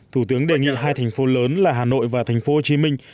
thủ tướng đề nghị hai thành phố lớn là hà nội và thành phố hồ chí minh